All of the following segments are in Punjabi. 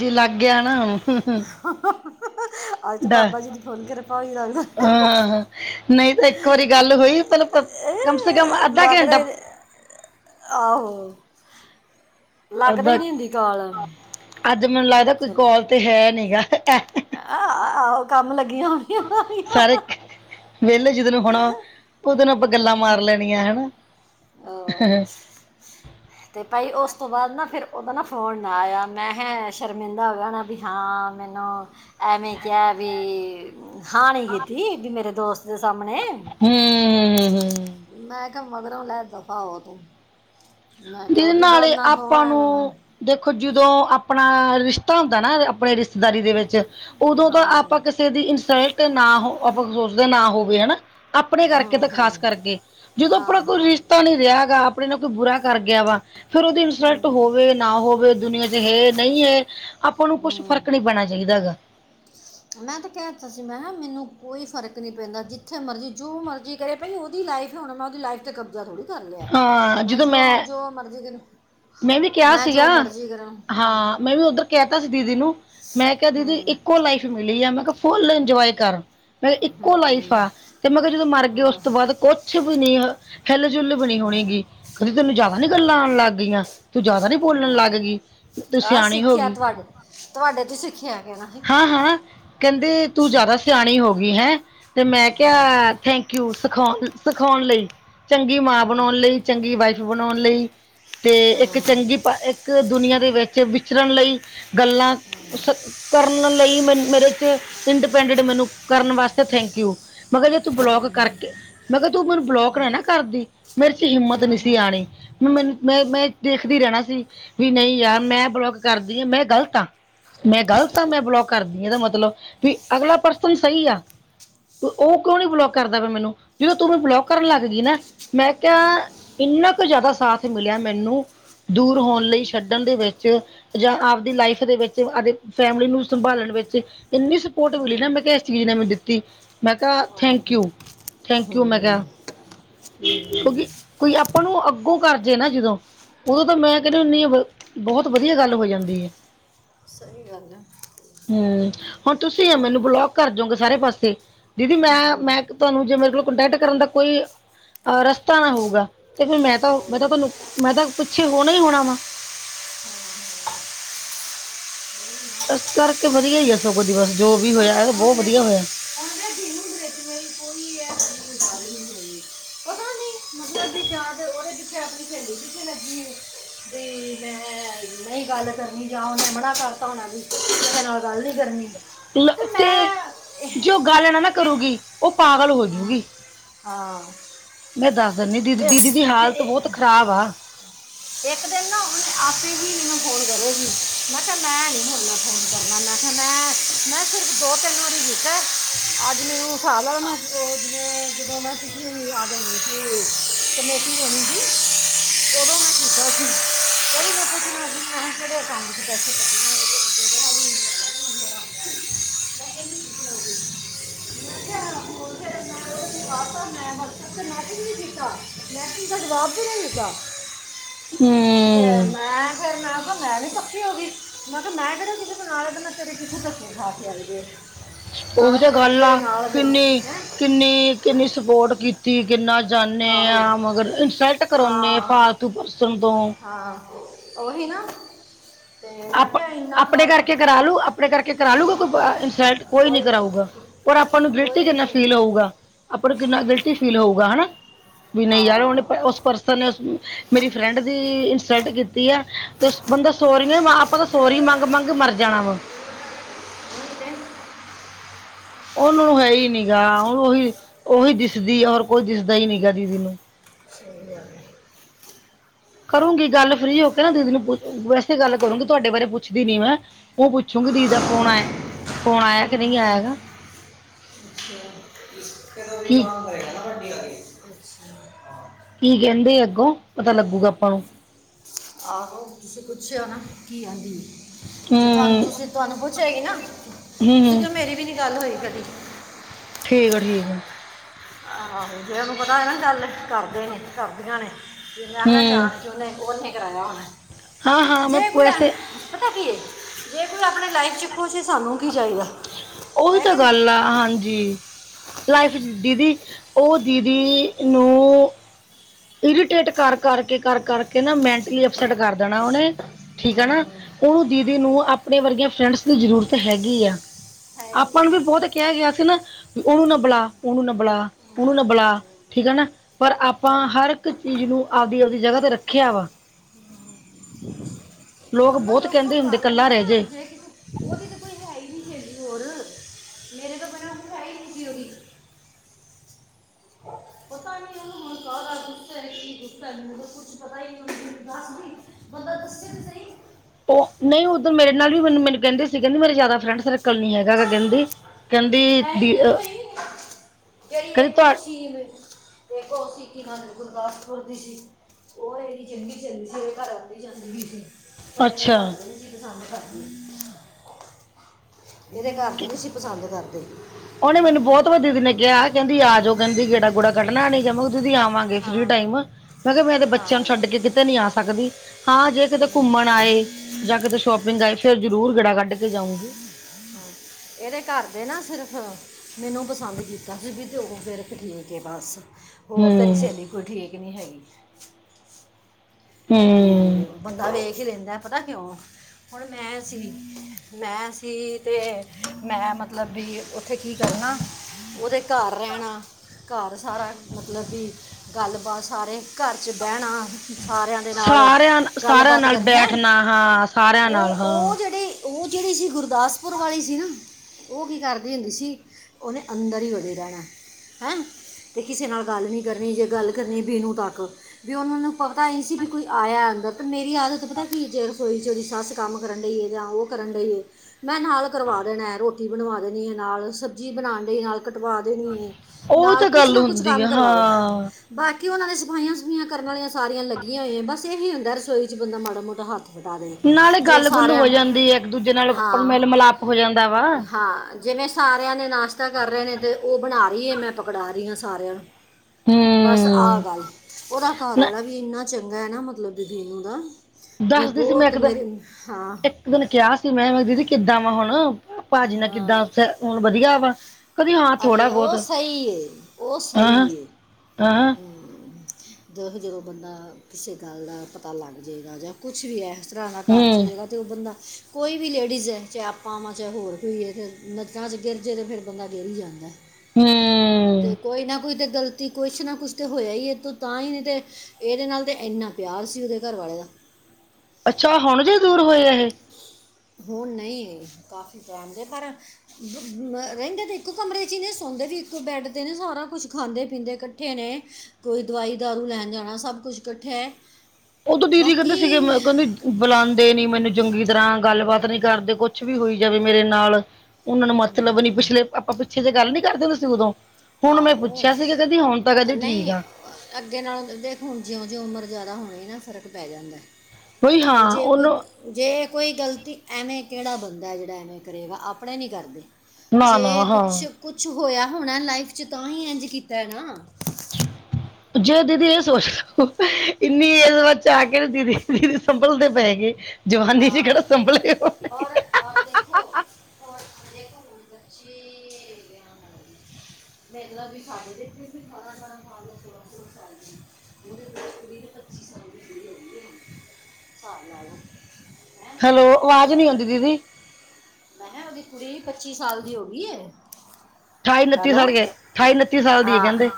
ਜੇ ਲੱਗ ਗਿਆ ਨਾ। ਅੱਜ ਤੇ ਡ ਬਾਬਾ ਜੀ ਦੀ ਫੁੱਲ ਕਿਰਪਾ ਹੋਈ ਲਗਦੇ। ਹਾਂ ਨਹੀਂ ਤਾਂ ਇੱਕ ਵਾਰੀ ਗੱਲ ਹੋਈ ਸੀਰਫ। ਕਮ ਸੇ ਕਮ। ਲੱਗਰੇ ਨੇ ਆਹੋ। ਲੱਗਦਾ ਹੀ ਐਦਾਂ ਨਹੀਂ ਹੁੰਦੀ ਕਾਲ ਅੱਜ ਮੈਨੂੰ ਲੱਗਦਾ ਕੋਈ ਚਲੋ ਕਾਲ ਤੇ ਹੈ ਨੀ ਗਾ। ਆਹੋ ਕੰਮ ਲੱਗੀਆਂ ਹੋਦੀਆਂ। ਸਾਰੇ ਵਿਹਲੇ ਜਿਦਨ ਹੁਣਾ ਉਹ ਦਿਨ ਆਪਾਂ ਗੱਲਾਂ ਮਾਰ ਲੈਣੀਆਂ ਹਨਾ। ਆ। ਤੇ ਭਾਈ ਉਸ ਤੋਂ ਬਾਅਦ ਨਾ ਫਿਰ ਉਹਦਾ ਨਾ ਫੋਨ ਨਾ ਆਇਆ ਮੈਂ ਕਿਹਾ ਸ਼ਰਮਿੰਦਾ ਹੋਗਾ ਨਾ ਵੀ। ਹਾਂ ਮੈਨੂੰ ਐਵੇਂ ਕਿਹਾ ਵੀ। ਹਾਂ ਨਹੀਂ ਕੀਤੀ ਵੀ ਮਰੇ ਦੋਸਤ ਦੇ ਸਾਹਮਣੇ ਹੂੰ ਹੂੰ ਹੂੰ ਮੈਂ ਕਿਹਾ ਮਗਰੋਂ ਲੈ ਦਫ਼ਾ ਹੋਹ ਤੂੰ। ਮੈਂ ਕਿਹਾ ਜਿਹਦੇ ਉਹ ਤੋਂ ਨਾਲ ਬਾਅਦ ਇਹ ਨਾ ਆਪਾਂ ਫੋਨਾਂ ਆ ਮੈਨੂੰ। ਨੂੰ ਦੇਖੋ ਜਦੋਂ ਆਪਣਾ ਰਿਸ਼ਤਾ ਹੁੰਦਾ ਨਾ ਆਪਣੇ ਰਿਸ਼ਤੇਦਾਰੀ ਦੇ ਵਿੱਚ। ਉਦੋਂ ਤਾਂ ਹਾਂ ਆਪਾਂ ਕਿਸੇ ਦੀ ਇਨਸਲਟ ਨਾ ਹੋ ਆਪਾਂ ਸੋਚਦੇ ਨਾ ਹੋਵੇ ਹਨਾ। ਆਪਣੇ ਕਰਕੇ ਹੂੰ ਤਾਂ ਖ਼ਾਸ ਹੂੰ ਕਰਕੇ ਜਦੋਂ ਆਪਣਾ ਹਾਂ ਕੋਈ ਹਾਂ ਰਿਸ਼ਤਾ ਨਹੀ ਰਿਹਾ। ਆਪਣੇ ਨਾਲ ਕੋਈ ਬੁਰਾ ਕਰ ਗਿਆ ਵਾ ਫਿਰ ਉਹਦੀ ਇਨਸਲਟ ਹੋਵੇ ਨਾ ਹੋਵੇ ਦੁਨੀਆਂ ਚ ਹੈ ਨਹੀਂ ਹੈ। ਆਪਾਂ ਨੂੰ ਕੁਛ ਹੂੰ ਫ਼ਰਕ ਨਹੀਂ ਪੈਣਾ ਚਾਹੀਦਾ ਹੈਗਾ। ਮੈਂ ਤਾਂ ਕਹਿ ਦਿੱਤਾ ਸੀ ਮੈਂ ਕਿਹਾ ਮੈਨੂੰ ਕੋਈ ਫ਼ਰਕ ਨਹੀਂ ਪੈਂਦਾ ਜਿੱਥੇ ਮਰਜ਼ੀ ਜੋ ਮਰਜ਼ੀ। ਕਰਦੇ ਭਾਈ ਉਹਦੀ ਲਾਈਫ ਹੁਣ ਮੈਂ ਉਹਦੀ ਲਾਈਫ ਤੇ ਕਬਜ਼ਾ ਥੋੜੀ ਕਰ ਲਿਆ ਹਾਂ ਮੈਂ ਜਦੋਂ ਕਿਹਾ ਜੋ ਮਰਜ਼ੀ ਕਹਿ ਮੈਂ ਵੀ ਕਿਹਾ ਸੀਗਾ ਹੂੰ ਹਾਂ ਮੈਂ ਵੀ ਉੱਧਰ ਕਹਿ ਤੇ ਸੀ ਦੀਦੀ ਨੂੰ। ਮੈਂ ਕਿਹਾ ਦੀਦੀ ਹੂੰ ਇੱਕੋ ਲਾਈਫ ਮਿਲੀ ਹੈ ਮੈਂ ਕਿਹਾ ਫੁੱਲ ਇੰਜੋਏ ਕਰ। ਮੈਂ ਕਿਹਾ, ਇੱਕੋ ਲਾਈਫ ਹੂੰ ਆ ਤੇ ਮੈਂ ਕਿਹਾ ਜਦੋਂ ਮਰ ਗਿਆ ਉਸ ਹਾਂ, ਤੋਂ ਬਾਅਦ ਕੁਛ ਵੀ ਨਹੀਂ। ਹੈਲੋ-ਜੁੱਲ ਬਣੀ ਹੋਣੀਗੀ ਕਹਦੇ ਤੈਨੂੰ ਜ਼ਿਆਦਾ ਨੀ ਗੱਲਾਂ ਆਉਣ ਲੱਗ ਗਈਆਂ। ਤੂੰ ਜ਼ਿਆਦਾ ਨੀ ਬੋਲਣ ਹਾ, ਲੱਗ ਗਈ ਤੂੰ ਆਹ ਸਿਆਣੀ ਹੋ ਸਿੱਖਿਆ ਗਈ ਤੁਹਾਡੇ- ਤੁਹਾਡੇ ਤੋਂ ਸਿੱਖਿਆ ਕਹਿਣਾ ਸੀ। ਹਾਂ ਹਾਂ, ਕਹਿੰਦੇ ਤੂੰ ਜ਼ਿਆਦਾ ਸਿਆਣੀ ਹੋ ਗਈ ਹੈਂ। ਤੇ ਮੈਂ ਹੂੰ ਕਿਹਾ ਥੈਂਕ ਯੂ ਸਿਖਾ ਸਿਖਾਉਣ ਲਈ। ਚੰਗੀ ਮਾਂ ਬਣਾਉਣ ਲਈ, ਚੰਗੀ ਵਾਈਫ ਬਣਾਉਣ ਲਈ ਤੇ ਹੂੰ ਇੱਕ ਚੰਗੀ ਇੱਕ ਦੁਨੀਆਂ ਦੇ ਵਿੱਚ ਵਿਚਰਨ ਲਈ ਗੱਲਾਂ। ਹੂੰ। ਕਰਨ ਲਈ ਮੈ ਮੇਰੇ ਚ ਇੰਡੀਪੈਂਡੈਂਟ ਮੈਨੂੰ ਕਰਨ ਵਾਸਤੇ ਥੈਂਕ ਯੂ। ਮਗਰ ਜੇ ਤੂੰ ਬਲੋਕ ਕਰਕੇ ਮੈਂ ਕਿਹਾ, ਤੂੰ ਮੈਨੂੰ ਬਲੋਕ ਨਾ ਨਾ ਕਰਦੀ ਮੇਰੇ ਚ ਹਿੰਮਤ ਨਹੀਂ ਸੀ ਆਉਣੀ ਮੈਨੂੰ ਮੈਂ- ਮੈਂ ਦੇਖਦੀ ਰਹਿਣਾ ਸੀ ਵੀ ਨਹੀਂ ਯਾਰ ਮੈਂ ਬਲੋਕ ਕਰਦੀ ਹਾਂ ਮੈਂ ਗ਼ਲਤ ਹਾਂ। ਮੈਂ ਗ਼ਲਤ ਆ ਮੈਂ ਬਲੋਕ ਕਰਦੀ ਇਹਦਾ ਮਤਲਬ ਵੀ ਅਗਲਾ ਪਰਸਨ ਸਹੀਆ਼। ਉਹ ਕਿਉਂ ਨੀ ਬਲੋਕ ਕਰਦਾ ਫੇਰ ਮੈਨੂੰ ਜਿਦੋਂ ਤੂੰ ਮੈਨੁੰ ਬਲੋਕ ਕਰਨ ਲੱਗ ਗਈ ਨਾ। ਮੈਂ ਕਿਹਾ, ਇੰਨਾ ਕੁ ਜ਼ਿਆਦਾ ਸਾਥ ਮਿਲਿਆ ਮੈਨੂੰ। ਦੂਰ ਹੋਣ ਲਈ ਛੱਡਣ ਦੇ ਵਿੱਚ ਜਾਂ ਆਪਦੀ ਲਾਈਫ ਦੇ ਵਿੱਚ, ਆਪ ਫੈਮਿਲੀ ਨੂੰ ਸੰਭਾਲਣ ਵਿੱਚ ਇੰਨੀ ਸਪੋਰਟ ਮਿਲੀ ਨਾ ਹੂੰ ਮੈਂ ਕਿਹਾ ਇਸ ਚੀਜ਼ ਨੇ ਮੈਨੂੰ ਦਿੱਤੀ ਮੈਂ ਕਿਹਾ ਥੈਂਕ ਯੂ। ਥੈਂਕ ਯੂ, ਮੈਂ ਕਿਹਾ ਹੂੰ, ਹੂੰ ਕਿਉਂਕਿ ਕੋਈ ਆਪਾਂ ਨੂੰ ਅੱਗੋਂ ਕਰ ਜੇ ਨਾ ਜਦੋਂ ਉਦੋਂ ਤਾਂ ਮੈਂ ਕਹਿੰਦੀ ਹੁੰਨੀ ਬਹੁਤ ਵਧੀਆ ਗੱਲ ਹੋ ਜਾਂਦੀ ਹੈ। ਸਹੀ ਗੱਲ ਨਾ ਹੂੰ ਹੁਣ ਤੁਸੀਂ ਹੋ ਮੈਨੂੰ ਬਲੋਕ ਕਰ ਜਾਓਗੇ ਸਾਰੇ ਪਾਸੇ ਦੀਦੀ ਹਾਂ ਮੈਂ-ਮੈਂ ਤੁਹਾਨੂੰ ਜੇ ਮੇਰੇ ਕੋਲ ਕੰਟੈਕਟ ਕਰਨ ਦਾ ਕੋਈ ਅਹ ਰਸਤਾ ਨਾ ਹਾਂ ਹੋਊਗਾ ਤੇ ਫਿਰ ਮੈਂ ਤਾਂ ਮੈਂ ਹੁਣ ਤਾਂ ਤੁਹਾਨੂੰ ਮੈਂ ਤਾਂ ਪਿੱਛੇ ਹੋਣਾ ਹੀ ਹੋਣਾ ਵਾ। ਇਸ ਕਰਕੇ ਵਧੀਆ ਹੀ ਹੈ ਸਗੋਂ ਬਸ ਜੋ ਵੀ ਹੋਇਆ ਹੈਗਾ ਹੁਣ ਬਹੁਤ ਦੇਖੋ ਵਧੀਆ ਹੋਇਆ। ਹੁਣ ਤਾ [unintelligible] ਪਤਾ ਨਹੀਂ ਮਤਲਬ ਜਾਂ ਉਦੇ ਪਿੱਛੇ ਜਾ ਆਪਣੀ ਸਹੇਲੀ ਦੇ ਪਿੱਛੇ ਲੱਗੀ ਏ ਬਈ ਮੈ ਨਹੀਂ ਗੱਲ ਕਰਨੀ ਜਾਂ ਉਹਨੇ ਮਨਾ ਕਰਤਾ ਹੋਣਾ ਵੀ ਕਿਸੇ ਨਾਲ ਗੱਲ ਨਹੀਂ ਕਰਨੀ। ਤੇ ਮੈਂ ਇਹ ਜੇ ਉਹ ਗੱਲ ਨਾ ਨਾ ਇਹ, ਕਰੂਗੀ ਉਹ ਪਾਗਲ ਹਾਂ ਹੋਜੂਗੀ। ਹਾਂ ਮੈਂ ਦੱਸ ਦਿੰਨੀ ਦੀਦੀ, ਦੀਦੀ ਦੀ ਇਹ- ਤੇ ਹਾਲਤ ਇਹ ਬਹੁਤ ਖ਼ਰਾਬ ਆ। ਇੱਕ ਦਿਨ ਨਾ ਉਹਨੇ ਆਪੇ ਹੀ ਮੈਨੂੰ ਫੋਨ ਕਰੇਗੀ ਮੈਂ ਕਿਹਾ, ਮੈਂ ਨੀ ਉਣ ਫੋਨ ਕਰ ਮੈਂ ਕਿਹਾ ਮੈਂ-ਮੈਂ ਸਿਰਫ਼ ਦੋ-ਤਿੰਨ ਵਾਰੀ ਕੀਤਾ ਅੱਜ ਮੈਨੂੰ ਹਿਸਾਬ ਲਾ ਲਓ [unintelligible] ਉਹ ਮੈ ਆਹ ਦੇਣੀ ਸੀ ਕਮੇਟੀ ਦੇਣੀ ਸੀ। ਉਦੋਂ ਮੈਂ ਕੀਤਾ ਸੀ ਕਦੀ ਮੈਂ [unintelligible] ਕਿਹੜੇ ਅਕਾਊਂਟ ਚ ਪੈਸੇ ਪਾਈਏ? ਹੈ। ਮੈਂ ਇਹਨੂੰ [unintelligible] ਪਾਤਾ ਮੈਂ ਵਟਸਐਪ ਤੇ ਮੈਸੇਜ ਵੀ ਕੀਤਾ ਮੈਸੇਜ ਦਾ ਜਵਾਬ ਵੀ ਨਹੀਂ ਦਿੱਤਾ। ਹੂੰ। ਅਤੇ ਮੈਂ ਫੈਰ ਮੈਂ ਕਿਹਾ ਮੈਂ ਵੀ ਸੱਖੀ ਹੋ ਗਈ ਮੈਂ ਕਿਹਾ ਮੈਂ ਕਿਹੜਾ ਕਿਸੀ ਤੋਂ ਕੁਛ ਲੈ ਨਾਲੇ ਮੈਂ ਤੇਰੇ ਪਿੱਛੇ ਥੱਕੇ ਖਾ [unintelligible] ਨਾਲ ਲਿੱਤੇ ਤੇਰੇ ਨਾਲ ਗਈ ਹੈ। ਕਿੰਨੀ-ਕਿੰਨੀ ਸਪੋਰਟ ਕੀਤੀ। ਤੀ ਕਿੰਨਾ ਜਾਂਦੇ ਹਾਂ ਆਹੋ ਮਗਰ ਇਨਸਲਟ ਕਰਾਉਂਦੇ ਹ ਫਾਲਤੂ ਪਰਸਨ ਤੋਂ ਹਾਂ-ਹਾਂ। ਉਹਹੀ ਨਾ। ਤੇ ਮੈਂ ਕਿਹਾ ਇੰਨਾ ਆਪ-ਆਪਣੇ ਕਰ ਕਰਕੇ ਕਰਾ ਲੂ ਆਪਣੇ ਕਰਕੇ ਕਰਾ ਲੂਗਾ ਕੋਈ ਇਨਸਲਟ ਕੋਈ ਨੀ ਕਰਾਊਗਾ। ਔਰ ਆਪਾਂ ਨੂੰ ਕੋਈ ਗਿਲਟੀ ਕਿੰਨਾ ਵੀ ਨਹੀਂ ਫੀਲ ਹੋਊਗਾ। ਆਪਾਂ ਨੂੰ ਕਿੰਨਾ ਗਿਲਤੀ ਫੀਲ ਹੋਊਗਾ ਹੈਨਾ, ਵੀ ਨਹੀਂ ਯਾਰ ਉਹਨੇ ਹਾਂ ਉਸ ਪਰਸਨ ਨੇ ਮੇਰੀ ਫਰੈਂਡ ਦੀ ਇਨਸਲਟ ਕੀਤੀ ਆ ਤੇ ਬੰਦਾ ਸੋੁਰੀ ਨੀ ਆਪਾਂ ਤਾਂ ਸੋਰੀ ਮੰਗ-ਮੰਗ ਮਰ ਜਾਣਾ ਵਾ। ਨਹੀਂ ਤੇ ਉਹਨ ਨੂੰ ਹੈ ਹੀ ਨੀ ਗਾ, ਉਹਨੂੰ ਉਹੀ ਉਹੀ ਦਿਸਦੀ ਹੋਰ ਕੋਈ ਦਿਸਦਾ ਹੀ ਨੀਗਾ, ਦੀਦੀ ਨੂੰ। ਸਹੀ ਆ ਕਰੂੰਗੀ ਗੱਲ, ਫ੍ਰੀ ਹੋ ਕੇ ਨਾ ਦੀਦੀ ਨੂੰ ਵੈਸੇ ਗੱਲ ਕਰੂੰਗੀ, ਤੁਹਾਡੇ ਬਾਰੇ ਪੁੱਛਦੀ ਨੀ ਮੈਂ। ਉਹ ਪੁੱਛੋਂਗੀ ਦੀਦੀ ਦਾ ਫੋਨ ਆਇਆ, ਫੋਨ ਆਇਆ ਕਿ ਨਹੀਂ ਆਇਆ ਦਾ। ਅੱਛਾ, ਇਸ ਨ ਵੀ ਕੀ ਕਾਮ ਪਏ ਐ ਕੀ ਕਹਿੰਦੇ ਅੱਗੋਂ ਪਤਾ ਲੱਗੂਗਾ ਆਪਾਂ ਨੂੰ? ਆਹੋ ਤੁਸੀਂ ਪੁੱਛ ਹੋ ਨਾ ਕੀ ਆਂਦੀ ਜੇ ਤੁਹਾਨੂੰ ਹੂੰ ਤੁਸੀਂ ਤੁਹਾਨੂੰ ਪੁੱਛੇਗੀ ਨਾ ਹੂੰ ਤੁਸੀਂ ਹੂੰ ਕਿਹਾ, ਮੇਰੀ ਵੀ ਨੀ ਗੱਲ ਹੋਈ ਕਦੀ। ਠੀਕ ਆ ਠੀਕ ਆ ਆਹੋ ਜੇ ਔਨੂੰ ਪਤਾ ਹੋਏ ਨਾ, ਗੱਲ ਕਰਦੇ ਨੇ ਕਰਦੀਆਂ ਨੇ, ਮੈਂ ਨਾ ਹੂੰ ਜਾਣ ਕਿ ਉਹਨੇ ਔ ਨੇ ਕਰਾਇਆ ਹੋਣਾ, ਹਾਂ ਹਾਂ ਮੈਂ ਜੇ ਕੁ ਵੈਸੇ ਪਤਾ ਕੀ ਹੈ, ਜੇ ਕੋਈ ਆਪਣੀ ਲਾਈਫ ਚ ਖੁਸ਼ ਹੈ, ਸਾਨੂੰ ਕੀ ਚਾਹੀਦਾ ਉਹੀ ਹੈ ਤਾਂ ਕਿ ਨਹੀਂ ਗੱਲ ਆ ਹਾਂਜੀ, ਲਾਈਫ ਇਚ ਦੀਦੀ, ਉਹ ਦੀਦੀ ਨੂੰ ਇਰੀਟੇਟ ਕਰ ਕਰਕੇ ਕਰ ਕਰਕੇ ਨਾ, ਮੈਂਟਲੀ ਅਪਸੈਟ ਕਰ ਦੇਣਾ ਔ ਨੇ। ਠੀਕ ਹੈ ਨਾ, ਉਹਨੂੰ ਦੀਦੀ ਨੂੰ, ਆਪਣੇ ਵਰਗੀਆਂ ਫਰੈਂਡਸ ਦੀ ਜ਼ਰੂਰਤ ਹੈਗੀ ਐ। ਹੈਗੀ ਆਪਾਂ ਨੂੰ ਹੈ ਵੀ ਬਹੁਤ ਕਿਹਾ ਗਿਆ ਸੀ ਨਾ ਵੀ ਉਹਨੂੰ ਨਾ ਬਲਾ, ਉਹਨੂੰ ਨਾ ਬਲਾ, ਉਹਨੂੰ ਨਾ ਬਲਾ, ਠੀਕ ਹੈ ਨਾ, ਪਰ ਆਪਾਂ ਹਰ ਇੱਕ ਚੀਜ਼ ਨੂੰ, ਆਪਦੀ ਆਪਦੀ ਜਗ੍ਹਾ ਤੇ ਰੱਖਿਆ ਵਾ। ਉਹ ਲੋਕ ਤਾਂ ਨਾ ਬਹੁਤ ਦੁੱਖ ਕਹਿੰਦੇ ਹੁੰਦੇ, ਕਰ ਇਕੱਲਾ ਲੈਣਾ ਰਹਿ ਨਾ ਜੇ ਕਿਸੇ ਉਹਦੀ ਤਾਂ ਕੋਈ ਹੈ ਹੀ ਨਹੀਂ ਛੇੜੀ ਹੋਰ ਮੇਰੇ ਤੋਂ ਬਿਨਾਂ ਕੋਈ ਹੈ ਹੀ ਨਹੀਂ ਸੀ ਉਹਦੀ ਪਤਾ ਨਹੀਂ ਉਹਨੂੰ ਹੁਣ ਕਾਹਦਾ ਗੁੱਸਾ ਹੈ ਕੀ ਗੁੱਸਾ ਨਹੀਂ ਮੈਨੂੰ ਕੁਝ ਪਤਾ ਹੀ ਨਹੀਂ ਉਹਨੂੰ ਦੱਸ ਵੀ ਬੰਦਾ ਦੱਸੇ ਤਾਂ ਸਹੀ ਉਹ ਨਹੀਂ ਉਧਰ ਮੇਰੇ ਨਾਲ ਵੀ ਮੈਨੂੰ ਮੈਨੂੰ ਕਹਿੰਦੇ ਸੀ, ਕਹਿੰਦੀ ਮੇਰੇ ਜ਼ਿਆਦਾ ਫਰੈਂਡ ਸਰਕਲ ਨੀ ਹੈਗਾ, ਕਹਿੰਦੇ ਕਹਿੰਦੀ ਹੈ ਹੀ ਦੀ ਨਹੀਂ ਕੋਈ ਵੀ ਨਹੀਂ ਜਿਹੜੀ ਕਹਿੰਦੀ ਇੱਕ ਤੁਹਾ ਉਹ ਸੀ ਇਕ ਗੁਰਦਾਸਪੁਰ ਦੀ ਸੀ, ਉਹ ਏਦੀ ਚੰਗੀ ਸੇਹਲੀ ਸੀ, ਏਦੇ ਘਰ ਜਾਂਦੀ ਸੀ। ਪਰ ਇਹਦੇ ਅੱਛਾ ਘਰ ਦੇ, ਕਿ ਨੀ ਸੀ ਪਸੰਦ ਕਰਦੇ। ਇਹਦੇ ਘਰ ਦੇ, ਨਹੀਂ ਸੀ ਪਸੰਦ ਕਰਦੇ। ਉਹਨੇ ਮੈਨੂੰ ਬਹੁਤ ਵਧਦੀ ਨੇ ਕਿਹਾ ਕਹਿੰਦੀ ਆ ਜਾਉ, ਕਹਿੰਦੀ ਗੇੜਾ ਗੂੜਾ ਕੱਢਣਾ ਨਹੀਂ, ਮੈਂ ਕੇਹਾ ਦੀਦੀ ਆਵਾਂਗੇ। ਫ੍ਰੀ ਹਾਂ ਟਾਈਮ, ਮੈਂ ਕਿਹਾ ਮੈਂ ਇਹਦੇ ਹਾਂ ਬੱਚਿਆਂ ਨੂੰ ਛੱਡ ਕੇ ਕਿਤੇ ਨੀ ਆ ਸਕਦੀ, ਹਾਂ ਜੇ ਕਿਤੇ ਘੁੰਮਣ ਆਏ, ਜਾਂ ਕਿਤੇ ਸ਼ੋਪਿੰਗ ਆਏ ਫੇਰ ਜ਼ਰੂਰ ਗੇੜਾ ਕੱਢ ਕੇ ਜਾਊਂਗੀ। ਏਦੇ ਘਰਦੇ ਨਾ ਸਿਰਫ ਮੈਨੂੰ ਪਸੰਦ ਕੀਤਾ ਸੀ, ਫਿਰ ਵੀ ਉਹ ਫਿਰ ਠੀਕ ਹੈ, ਬਸ ਹੋਰ ਤੇਰੀ ਹੂੰ ਸਹੇਲੀ, ਕੋਈ ਠੀਕ ਨਹੀਂ ਹੈਗੀ। ਹੂੰ ਤੇ, ਬੰਦਾ ਵੇਖ ਹੀ ਲੈਂਦਾ, ਪਤਾ ਕਿਉਂ ਹੁਣ ਮੈਂ ਸੀ, ਮੈਂ ਸੀ ਤੇ ਮੈਂ ਮਤਲਬ ਵੀ ਓਥੇ ਕੀ ਕਰਨਾ, ਉਹਦੇ ਘਰ ਰਹਿਣਾ ਘਰ ਸਾਰਾ ਮਤਲਬ ਕਿ ਗੱਲਬਾਤ ਸਾਰੇ ਘਰ ' ਬਹਿਣਾ, ਸਾਰਿਆਂ ਨੇ ਦੇ ਨਾਲ ਸਾਰਿਆਂ ਸਾਰਿਆਂ ਗੱਲਬਾਤ ਨਾਲ ਕਰੀ, ਹੈ, ਬੈਠਣਾ ਹਾਂ ਸਾਰਿਆਂ ਨਾਲ ਉਹ ਹਾਂ ਉਹ ਜਿਹੜੀ ਉਹ ਜਿਹੜੀ ਸੀ, ਗੁਰਦਾਸਪੁਰ ਵਾਲੀ ਸੀ ਨਾ। ਉਹ ਕੀ ਕਰਦੀ ਹੁੰਦੀ ਸੀ, ਉਹਨੇ ਅੰਦਰ ਹੀ ਵਡੇ ਰਹਿਣਾ, ਹੈਂ। ਤੇ ਕਿਸੇ ਨਾਲ ਗੱਲ ਨਹੀਂ ਕਰਨੀ, ਜੇ ਗੱਲ ਕਰਨੀ ਬਿਨੂੰ ਤੱਕ, ਵੀ ਉਹਨਾਂ ਨੂੰ ਪਤਾ ਹੀ ਨਹੀਂ ਸੀ, ਵੀ ਕੋਈ ਆਇਆ ਅੰਦਰ ਅਤੇ ਮਰੀ ਆਦਤ ਪਤਾ ਕੀ ਜੇ ਰਸੋਈ ਚੌਰੀ ਸੱਸ ਕ ਕੰਮ ਕਰਨ ਡੀਆ ਓ, ਹਾਂ ਉਹ ਕਰਨ ਡੇਓ। ਮੈਂ ਨਾਲ ਕਰਵਾ ਦੇਣਾ ਹੈ, ਰੋਟੀ ਬਣਵਾ ਦੇਣੀ ਹੈ ਨਾਲ, ਸਬਜ਼ੀ ਬਣਾਉਣ ਦੇ ਨਾਲ ਕਟਵਾ ਦੇਣੀ ਹੈ, ਉਹ ਨਾਲ ਤਾਂ ਕੁਛ ਗੱਲ ਨਾ ਕੁਛ ਹੁੰਦੀ ਕੰਮ ਆ ਕਰਵਾ ਦੇਣਾ ਹੈ। ਹਾਂ ਬਾਕੀ ਉਹਨਾਂ ਦੇ ਸਫਾਈਆਂ ਸਫੂਈਆਂ ਕਰਨ ਵਾਲੀਆਂ ਸਾਰੀਆਂ ਲੱਗੀਆਂ ਹੋਈਆਂ, ਬਸ ਇਹੀ ਹੀ ਹੁੰਦਾ ਰਸੋਈਚ ਬੰਦਾ ਮਾੜਾ ਮੋਟਾ ਹੱਥ ਵਟਾ ਦੇ ਨਾਲੇ ਜੇ ਗੱਲ ਗੁੱਲ ਹੋ ਸਾਰਿਆਂ ਜਾਂਦੀ ਹੈ, ਇੱਕ ਦੂਜੇ ਨਾਲ ਮਿਲ ਹਾਂ ਮਿਲਾਪ ਹੋ ਜਾਂਦਾ ਵਾ। ਹਾਂ ਜਿਵੇਂ ਸਾਰਿਆਂ ਨੇ ਨਾਸ਼ਤਾ ਕਰ ਰਹੇ ਨੇ, ਤੇ ਉਹ ਬਣਾ ਰਹੀ ਹੈ ਮੈਂ ਪਕੜਾ ਰਹੀ ਹਾਂ ਸਾਰਿਆਂ ਨੂੰ। ਬਸ ਹੂੰ ਆ ਗੱਲ, ਉਹਦਾ ਘਰ ਨਾ ਵਾਲਾ ਵੀ ਇੰਨਾ ਤ ਚੰਗਾ ਹੈ ਨਾ ਮਤਲਬ ਬਿਨੁ ਦਾ, ਵੀ ਬਹੁਤ ਮੇਰੇ ਹਾਂ ਨ ਨੇ ਕਿਹਾ ਸੀ ਮੈਂ ਦੀਦੀ ਕਿੱਦਾਂ ਵਾ ਹੁਣ, ਭਾਜੀ ਨਾਲ ਹਾਂ ਕਿੱਦਾਂ ਹੁਣ ਵਧੀਆ ਵਾ। ਕਦੀ ਹਾਂ ਥੋੜਾ ਅਰੇ ਬਹੁਤ ਔ ਸਹੀ ਹੈ, ਔ ਹਾਂ ਸਹੀ ਏ ਹਾਂ ਜਦੋਂ ਬੰਦਾ ਕਿਸੇ ਗੱਲ ਦਾ ਪਤਾ ਲੱਗ ਜਾਏਗਾ, ਜਾਂ ਕੁਛ ਵੀ ਹੈ ਚੜਾਣਾ, ਘਰ ਚ ਹੂੰ ਜਿਹੜਾ ਉਹ ਬੰਦਾ ਕੋਈ ਵੀ ਲੇਡੀਜ਼ ਐ ਚਾਹੇ ਆਪਾਂ ਵਾਂ ਚਾਹੇ ਹੋਰ ਕੋਈ ਐ ਨਜ਼ਰਾਂ ਚ ਗਿਰ ਜੇ ਤੇ ਫਿਰ ਬੰਦਾ ਦੇ ਹੀ ਜਾਂਦਾ। ਹੂੰ, ਤੇ ਕੋਈ ਨਾ ਕੋਈ ਤਾਂ ਗ਼ਲਤੀ ਕੁਛ ਨਾ ਕੁਛ ਤੇ ਹੋਇਆ ਹੀ ਇਹ ਤਾਂ ਹੀ ਨੀ ਤੇ ਇਹਦੇ ਨਾਲ ਤੇ ਇੰਨਾ ਪਿਆਰ ਸੀ ਉਹਦੇ ਘਰਵਾਲੇ ਦਾ। ਅੱਛਾ ਹੁਣ ਜੇ ਦੂਰ ਹੋਏ ਆ ਇਹ। ਹੁਣ ਨਹੀਂ ਕਾਫੀ ਟਾਈਮ ਦੇ ਪਰ ਰਹਿੰਦੇ ਤੇ ਇੱਕ ਕਮਰੇ ਚ ਨੇ ਸੌਦੇ ਵੀ ਇੱਕ ਬੈਡ ਤੇ ਨੇ ਸਾਰਾ ਕੁਛ ਖਾਂਦੇ ਪੀਂਦੇ ਇਕੱਠੇ ਨੇ ਕੋਈ ਦਵਾਈ ਦਾਰੂ ਲੈਣ ਜਾਣਾ ਸਭ ਕੁਛ ਇਕੱਠਾ ਉਦੋਂ ਦੀਦੀ ਕਹਿੰਦੇ ਸੀਗੇ ਕਹਿੰਦੀ ਬੁਲਾਉਂਦੇ ਨੀ ਮੈਨੂੰ ਚੰਗੀ ਤਰ੍ਹਾਂ ਗੱਲਬਾਤ ਨੀ ਕਰਦੇ ਕੁਛ ਵੀ ਹੋਈ ਜਾਵੇ ਮੇਰੇ ਨਾਲ ਉਹਨਾਂ ਨੂੰ ਮਤਲਬ ਨੀ ਪਿਛਲੇ ਆਪਾਂ ਪਿੱਛੇ ਜੇ ਗੱਲ ਨੀ ਕਰਦੇ ਹੁੰਦੇ ਸੀ ਉਦੋਂ। ਹੁਣ ਮੈਂ ਆਹੋ ਪੁੱਛਿਆ ਸੀਗਾ ਕਹਿੰਦੀ ਹੁਣ ਤਾਂ ਕਦੀ ਠੀਕ ਨਹੀਂ ਆ। ਅੱਗੇ ਨਾਲੋਂ ਦੇਖ ਹੁਣ ਜਿਉਂ ਜਿਉਂ ਉਮਰ ਜ਼ਿਆਦਾ ਹੋਣੀ ਨਾ ਫ਼ਰਕ ਪੈ ਜਾਂਦਾ। ਬਈ ਤੇ ਹਾਂ ਜੇ ਕੋਈ ਉਹਨੂੰ ਜੇ ਕੋਈ ਗਲਤੀ ਐਵੇਂ ਕਿਹੜਾ ਬੰਦਾ ਜਿਹੜਾ ਐਵੇਂ ਕਰੇਗਾ ਆਪਣੇ ਨਹੀਂ ਕਰਦੇ ਨਾ ਨਾ ਜੇ ਕੁਛ ਹਾਂ ਕੁਛ ਹੋਇਆ ਹੋਣਾ ਲਾਈਫ ਚ ਤਾਂ ਹੀ ਇੰਝ ਕੀਤਾ ਨਾ। [inaudible] ਜੇ ਦੀਦੀ ਇਹ ਸੋਚ ਲਓ ਇੰਨੀ ਏਜ਼ ਵਿੱਚ ਆ ਕੇ ਦੀਦੀ ਦੀਦੀ ਸੰਭਲਦੇ ਪੈ ਗਏ। ਜਵਾਨੀ ਚ ਹਾਂ ਕਿਹੜਾ ਸੰਭਲੇ ਓ। ਔਰ ਔਰ ਦੇਖੋ [unintelligible] [unintelligible] ਉਹ ਕੁੜੀ ਦੇ ਪੱਚੀ ਸਾਲ ਦੀ [unintelligible] ਹੈ ਹੈਲੋ, ਆਵਾਜ਼ ਔਰ ਨੀ ਆਉਂਦੀ ਦੀਦੀ। ਦੀ ਕੁੜੀ ਪੱਚੀ ਸਾਲ ਦੀ ਹੋ ਗਈ ਐ। ਅਠਾਈ ਉਨਤੀ ਸਾਲ ਗਏ ਅਠਾਈ ਉਨਤੀ ਸਾਲ ਦੀ ਐ ਹਾਂ ਕਹਿੰਦੇ।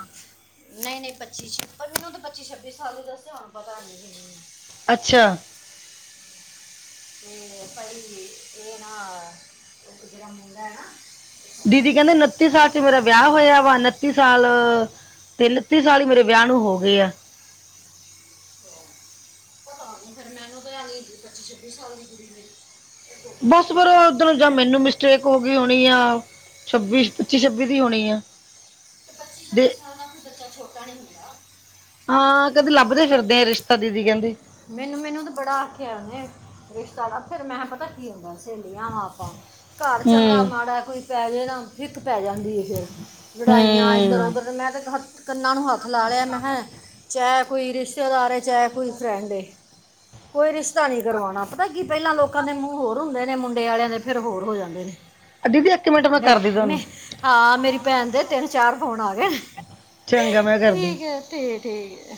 ਨਹੀਂ ਨਹੀਂ ਪੱਚੀ ਛ ਮੈਨੂੰ ਤਾਂ ਪੱਚੀ ਛੱਬੀ ਸਾਲ ਈ ਦੱਸਿਆ ਹੁਣ ਪਤਾ ਅੱਛਾ, ਤੇ ਭਾਈ ਇਹ ਨਾ ਉਜਰਾ ਮੁੰਡਾ ਐ ਨਾ, ਦੀਦੀ ਕਹਿੰਦੇ ਉਨੱਤੀ ਸਮਝਾ ਉਹ ਸਾਲ ਚ ਮੇਰਾ ਵਿਆਹ ਹੋਇਆ ਵਾ ਉਨੱਤੀ ਸਾਲ ਤੇ ਉਨੱਤੀ ਸਾਲ ਹੀ ਮੇਰੇ ਵਿਆਹ ਨੂੰ ਹੋ ਗਏ ਆ। ਪਤਾ ਨੀ ਫਿਰ ਮੈਨੂੰ ਪ ਪੱਚੀ ਛੱਬੀ ਸਾਲ ਦੀ ਕੁੜੀ ਐ। ਬਸ ਫਿਰ, ਜਾਂ ਮੈਨੂੰ ਮਿਸਟੇਕ ਹੋ ਗਈ ਹੋਣੀ ਆ ਛੱਬੀ ਪੱਚੀ ਛੱਬੀ ਦੀ ਹੋਣੀ ਆ। ਤੇ ਪੱਚੀ ਦੇ ਛੱਬੀ ਸਾਲ ਨਾਲ ਕੋਈ ਬੱਚਾ ਛੋਟਾ ਨੀ ਹੁੰਦਾ। ਹਾਂ, ਕਹਿੰਦੀ ਲੱਭਦੇ ਫਿਰਦੇ ਆ ਰਿਸ਼ਤਾ ਦੀਦੀ ਕਹਿੰਦੇ। ਮੈਨੂੰ ਮੈਨੂੰ ਤਾਂ ਬੜਾ ਆਖਿਆ ਉਹਨੇ ਰਿਸ਼ਤਾ ਦਾ ਫੇਰ ਮੈਂ ਕਿਹਾ ਪਤਾ ਕੀ ਹੁੰਦਾ ਸਹੇਲੀਆਂ ਵਾਂ ਆਪਾਂ ਘਰ ਹੂੰ ਚੰਗਾ ਮਾੜਾ ਕੋਈ ਕਹਿ ਜਾਵੇ ਨਾ ਫਿੱਕ ਪੈ ਜਾਂਦੀ ਐ ਫਿਰ। ਲੜਾਈਆਂ ਇੱਧਰ ਹੂੰ ਉਧਰ ਮੈਂ ਕਿਹਾ ਕੰਨਾਂ ਨੂੰ ਹੱਥ ਲਾ ਲਿਆ ਮੈਂ ਕਿਹਾ ਚਾਹੇ ਕੋਈ ਰਿਸ਼ਤੇਦਾਰ ਐ ਚਾਹੇ ਕੋਈ ਫਰੈਂਡ ਕੋਈ ਰਿਸ਼ਤੇ ਨੀ ਕਰਵਾਣਾ ਪਤਾ ਕੀ ਪਹਿਲਾਂ ਲੋਕਾਂ ਦੇ ਮੂੰਹ ਹੋਰ ਹੁੰਦੇ ਨੇ ਮੁੰਡੇ ਵਾਲਿਆਂ ਦੇ ਫੇਰ ਹੋਰ ਹੋ ਜਾਂਦੇ ਨੇ। ਦੀਦੀ ਇੱਕ ਮਿੰਟ ਮੈਂ ਕਰਦੀ ਤੁਹਾਨੂੰ ਹਾਂ, ਮੇਰੀ ਭੈਣ ਦੇ ਤਿੰਨ ਚਾਰ ਫੋਨ ਆ ਗਏ ਨੇ। ਚੰਗਾ ਮੈਂ ਕਰਦੀ ਠੀਕ ਹੈ ਠੀਕ ਠੀਕ।